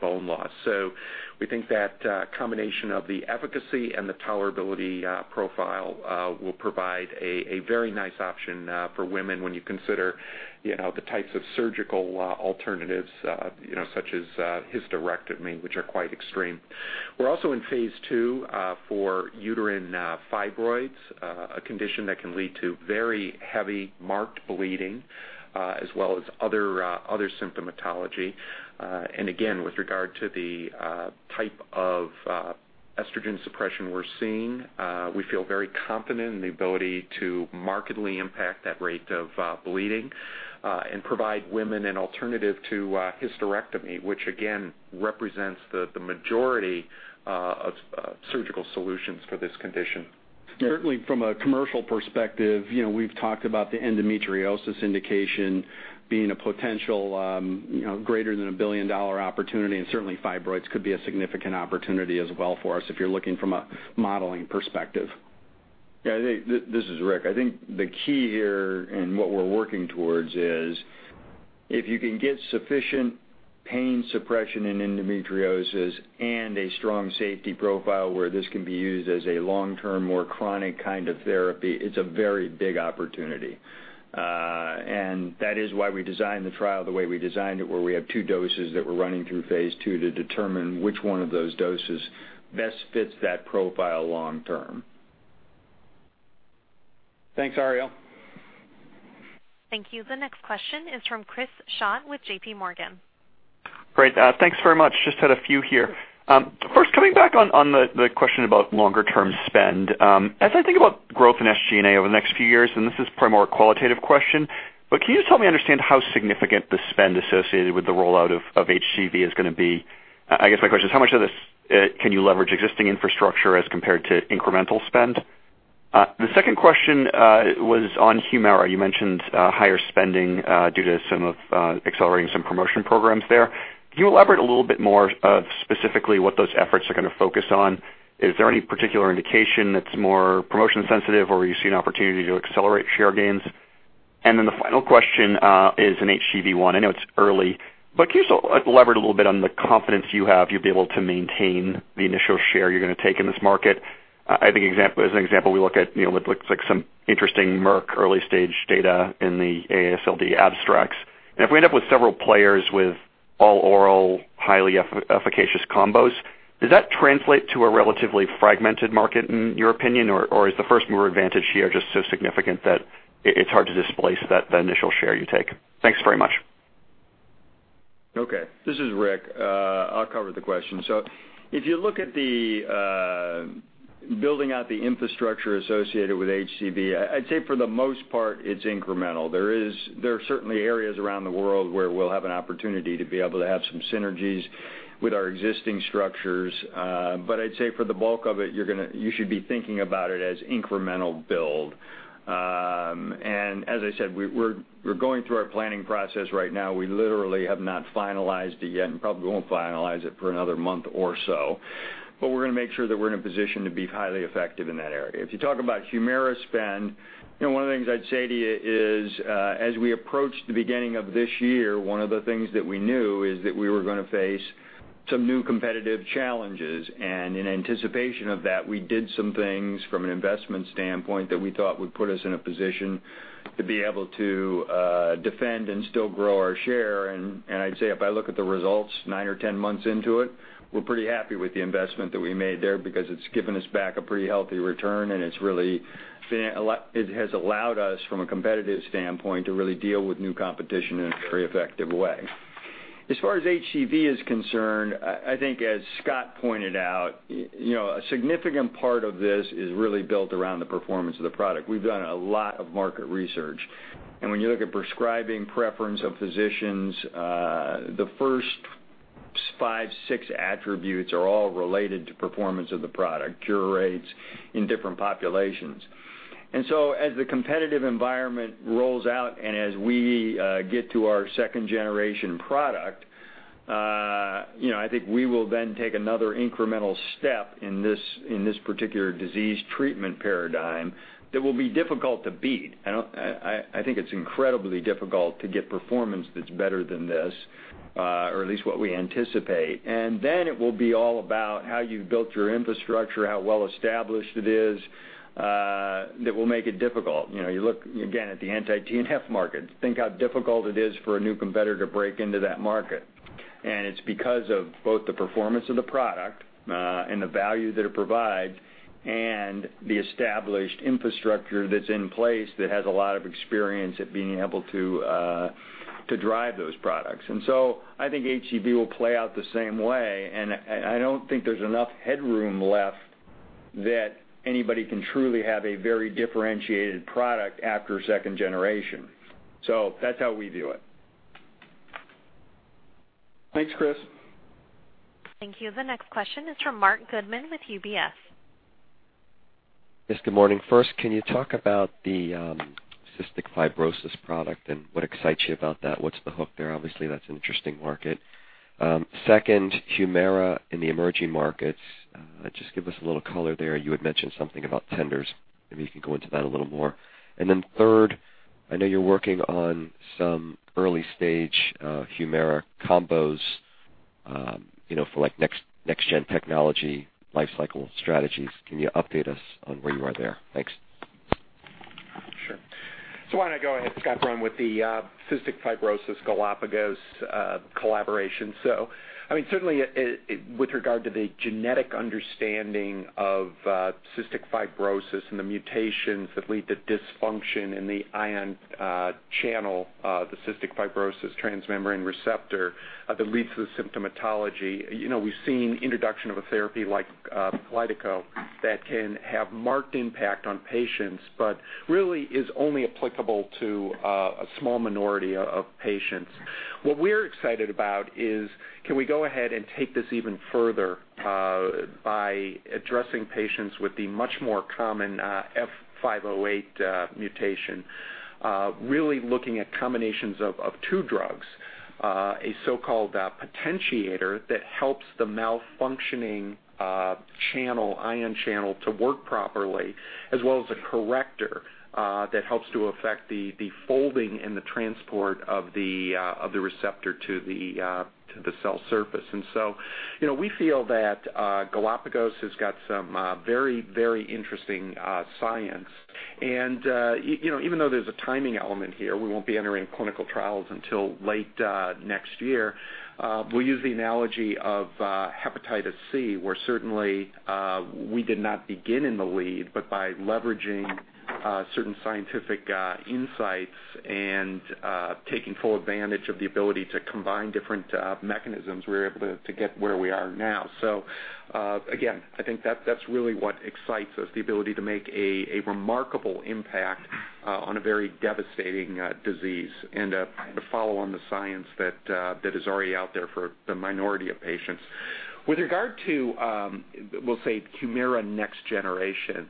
bone loss. We think that combination of the efficacy and the tolerability profile will provide a very nice option for women when you consider the types of surgical alternatives, such as hysterectomy, which are quite extreme. We're also in phase II for uterine fibroids, a condition that can lead to very heavy marked bleeding as well as other symptomatology. Again, with regard to the type of estrogen suppression we're seeing, we feel very confident in the ability to markedly impact that rate of bleeding and provide women an alternative to hysterectomy, which again, represents the majority of surgical solutions for this condition. Certainly from a commercial perspective, we've talked about the endometriosis indication being a potential greater than a billion-dollar opportunity, and certainly fibroids could be a significant opportunity as well for us if you're looking from a modeling perspective. Yeah, this is Rick. I think the key here and what we're working towards is, if you can get sufficient pain suppression in endometriosis and a strong safety profile where this can be used as a long-term, more chronic kind of therapy, it's a very big opportunity. That is why we designed the trial the way we designed it, where we have two doses that we're running through phase II to determine which one of those doses best fits that profile long term. Thanks, [Arielle]. Thank you. The next question is from Chris Schott with J.P. Morgan. Great. Thanks very much. Just had a few here. First, coming back on the question about longer-term spend. As I think about growth in SG&A over the next few years, this is probably more a qualitative question, but can you just help me understand how significant the spend associated with the rollout of HCV is going to be? I guess my question is how much of this can you leverage existing infrastructure as compared to incremental spend? The second question was on HUMIRA. You mentioned higher spending due to accelerating some promotion programs there. Can you elaborate a little bit more specifically what those efforts are going to focus on? Is there any particular indication that's more promotion sensitive, or you see an opportunity to accelerate share gains? The final question is an HCV one. I know it's early, but can you elaborate a little bit on the confidence you have you'll be able to maintain the initial share you're going to take in this market? I think as an example, we look at what looks like some interesting Merck early-stage data in the AASLD abstracts. If we end up with several players with all oral, highly efficacious combos, does that translate to a relatively fragmented market in your opinion? Or is the first-mover advantage here just so significant that it's hard to displace the initial share you take? Thanks very much. Okay. This is Rick. I'll cover the question. If you look at the building out the infrastructure associated with HCV, I'd say for the most part, it's incremental. There are certainly areas around the world where we'll have an opportunity to be able to have some synergies with our existing structures. I'd say for the bulk of it, you should be thinking about it as incremental build. As I said, we're going through our planning process right now. We literally have not finalized it yet and probably won't finalize it for another month or so. We're going to make sure that we're in a position to be highly effective in that area. If you talk about HUMIRA spend, one of the things I'd say to you is as we approach the beginning of this year, one of the things that we knew is that we were going to face some new competitive challenges. In anticipation of that, we did some things from an investment standpoint that we thought would put us in a position to be able to defend and still grow our share. I'd say if I look at the results nine or 10 months into it, we're pretty happy with the investment that we made there because it's given us back a pretty healthy return, and it has allowed us, from a competitive standpoint, to really deal with new competition in a very effective way. As far as HCV is concerned, I think as Scott pointed out, a significant part of this is really built around the performance of the product. We've done a lot of market research, and when you look at prescribing preference of physicians the first five, six attributes are all related to performance of the product, cure rates in different populations. As the competitive environment rolls out and as we get to our second-generation product, I think we will then take another incremental step in this particular disease treatment paradigm that will be difficult to beat. I think it's incredibly difficult to get performance that's better than this or at least what we anticipate. It will be all about how you've built your infrastructure, how well established it is that will make it difficult. You look, again, at the anti-TNF market. Think how difficult it is for a new competitor to break into that market. It's because of both the performance of the product and the value that it provides and the established infrastructure that's in place that has a lot of experience at being able to drive those products. I think HCV will play out the same way, and I don't think there's enough headroom left that anybody can truly have a very differentiated product after second generation. That's how we view it. Thanks, Chris. Thank you. The next question is from Marc Goodman with UBS. Yes. Good morning. First, can you talk about the cystic fibrosis product and what excites you about that? What's the hook there? Obviously, that's an interesting market. Second, HUMIRA in the emerging markets. Just give us a little color there. You had mentioned something about tenders. Maybe you can go into that a little more. Then third, I know you're working on some early-stage HUMIRA combos for next-gen technology life cycle strategies. Can you update us on where you are there? Thanks. Sure. Why don't I go ahead, Scott Brun, with the cystic fibrosis Galapagos collaboration. Certainly, with regard to the genetic understanding of cystic fibrosis and the mutations that lead to dysfunction in the ion channel, the cystic fibrosis transmembrane receptor that leads to the symptomatology, we've seen introduction of a therapy like KALYDECO that can have marked impact on patients, but really is only applicable to a small minority of patients. What we're excited about is, can we go ahead and take this even further by addressing patients with the much more common F508 mutation really looking at combinations of two drugs a so-called potentiator that helps the malfunctioning ion channel to work properly, as well as a corrector that helps to affect the folding and the transport of the receptor to the cell surface. We feel that Galapagos has got some very interesting science. Even though there's a timing element here, we won't be entering clinical trials until late next year. We use the analogy of Hepatitis C, where certainly, we did not begin in the lead, but by leveraging certain scientific insights and taking full advantage of the ability to combine different mechanisms, we were able to get where we are now. Again, I think that's really what excites us, the ability to make a remarkable impact on a very devastating disease and to follow on the science that is already out there for the minority of patients. With regard to, we'll say, HUMIRA next generation,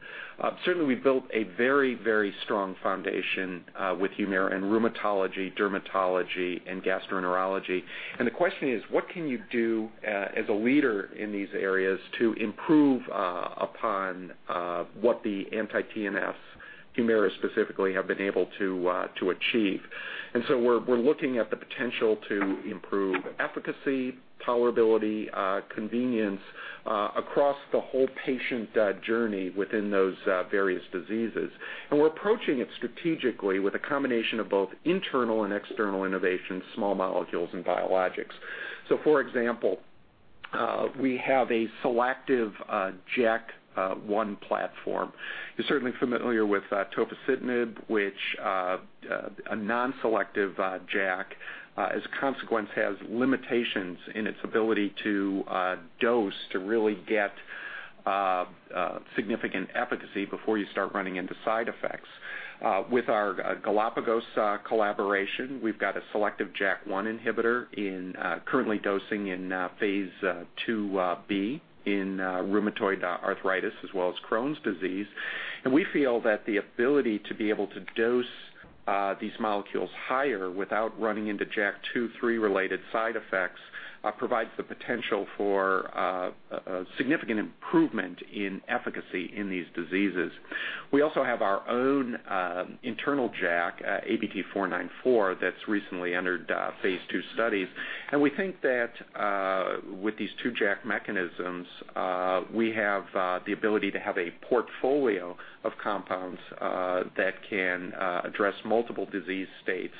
certainly we've built a very strong foundation with HUMIRA in rheumatology, dermatology, and gastroenterology. The question is, what can you do as a leader in these areas to improve upon what the anti-TNFs, HUMIRA specifically, have been able to achieve? We're looking at the potential to improve efficacy, tolerability, convenience, across the whole patient journey within those various diseases. We're approaching it strategically with a combination of both internal and external innovation, small molecules, and biologics. For example, we have a selective JAK1 platform. You're certainly familiar with tofacitinib, which a non-selective JAK, as a consequence, has limitations in its ability to dose to really get significant efficacy before you start running into side effects. With our Galapagos collaboration, we've got a selective JAK1 inhibitor currently dosing in phase II-B in rheumatoid arthritis as well as Crohn's disease. We feel that the ability to be able to dose these molecules higher without running into JAK2, 3 related side effects provides the potential for a significant improvement in efficacy in these diseases. We also have our own internal JAK, ABT-494, that's recently entered phase II studies. We think that with these two JAK mechanisms, we have the ability to have a portfolio of compounds that can address multiple disease states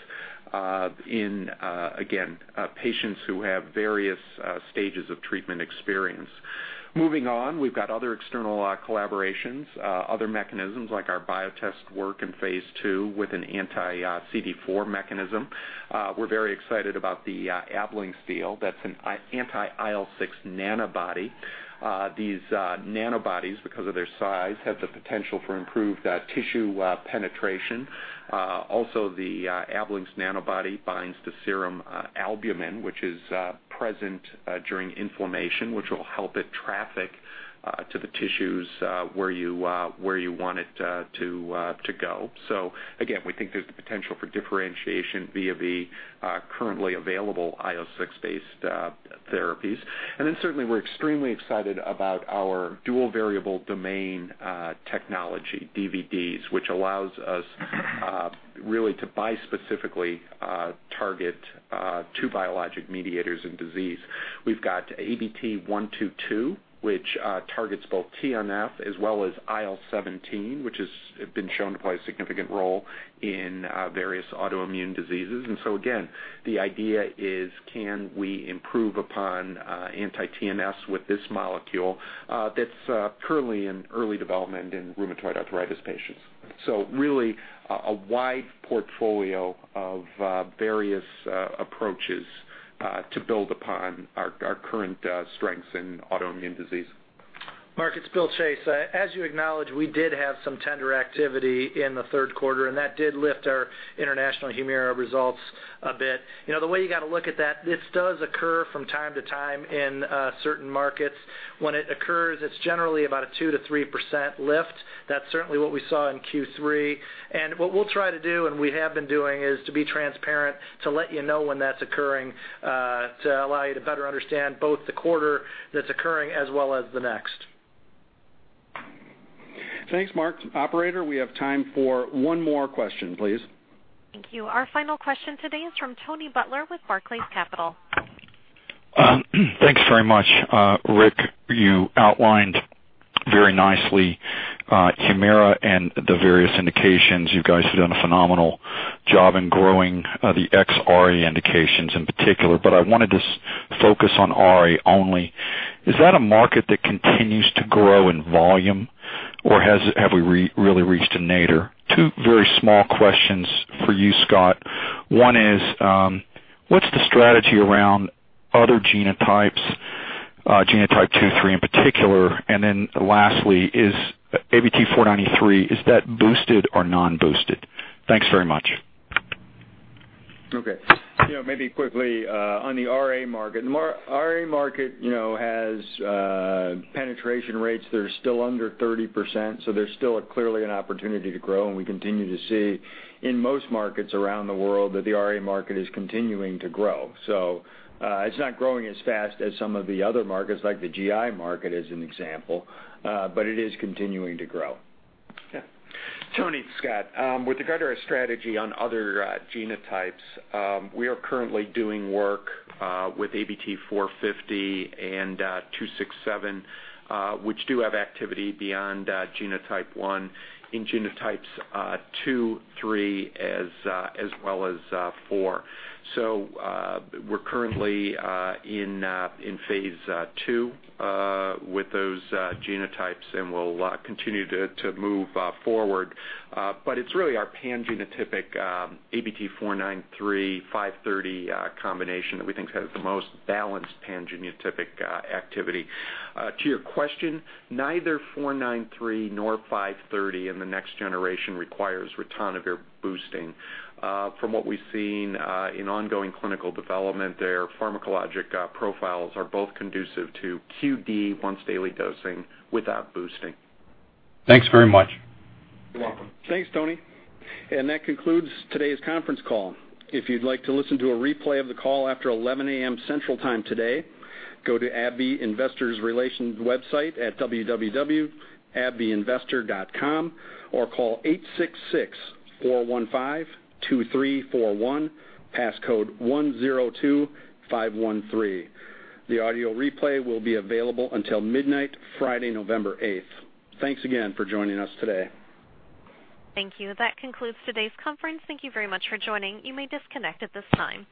in, again, patients who have various stages of treatment experience. Moving on, we've got other external collaborations, other mechanisms like our Biotest work in phase II with an anti-CD4 mechanism. We're very excited about the Ablynx deal. That's an anti-IL-6 Nanobody. These Nanobodies, because of their size, have the potential for improved tissue penetration. Also, the Ablynx Nanobody binds to serum albumin, which is present during inflammation, which will help it traffic to the tissues where you want it to go. Again, we think there's the potential for differentiation via the currently available IL-6 based therapies. Then certainly, we're extremely excited about our dual variable domain technology, DVDs, which allows us really to bispecifically target two biologic mediators in disease. We've got ABT-122, which targets both TNF as well as IL-17, which has been shown to play a significant role in various autoimmune diseases. Again, the idea is can we improve upon anti-TNFs with this molecule that's currently in early development in rheumatoid arthritis patients. So really, a wide portfolio of various approaches to build upon our current strengths in autoimmune disease. Marc, it's Bill Chase. As you acknowledge, we did have some tender activity in the third quarter, and that did lift our international HUMIRA results a bit. The way you got to look at that, this does occur from time to time in certain markets. When it occurs, it's generally about a 2%-3% lift. That's certainly what we saw in Q3. What we'll try to do and we have been doing is to be transparent, to let you know when that's occurring, to allow you to better understand both the quarter that's occurring as well as the next. Thanks, Marc. Operator, we have time for one more question, please. Thank you. Our final question today is from Tony Butler with Barclays Capital. Thanks very much. Rick, you outlined very nicely HUMIRA and the various indications. You guys have done a phenomenal job in growing the ex-RA indications in particular, but I wanted to focus on RA only. Is that a market that continues to grow in volume, or have we really reached a nadir? Two very small questions for you, Scott. One is, what's the strategy around other genotypes? Genotype 2, 3 in particular. Then lastly, is ABT-493, is that boosted or non-boosted? Thanks very much. Okay. Maybe quickly on the RA market. The RA market has penetration rates that are still under 30%, there's still clearly an opportunity to grow, and we continue to see in most markets around the world that the RA market is continuing to grow. It's not growing as fast as some of the other markets, like the GI market as an example, but it is continuing to grow. Yeah. Tony, it's Scott. With regard to our strategy on other genotypes, we are currently doing work with ABT-450 and ABT-267, which do have activity beyond genotype 1 in genotypes 2, 3, as well as 4. We're currently in phase II with those genotypes, and we'll continue to move forward. It's really our pan-genotypic ABT-493/530 combination that we think has the most balanced pan-genotypic activity. To your question, neither 493 nor 530 in the next generation requires ritonavir boosting. From what we've seen in ongoing clinical development, their pharmacologic profiles are both conducive to QD once-daily dosing without boosting. Thanks very much. You're welcome. Thanks, Tony. That concludes today's conference call. If you'd like to listen to a replay of the call after 11:00 A.M. Central Time today, go to AbbVie Investor Relations website at www.abbvieinvestor.com or call 866-415-2341, passcode 102513. The audio replay will be available until midnight Friday, November 8th. Thanks again for joining us today. Thank you. That concludes today's conference. Thank you very much for joining. You may disconnect at this time.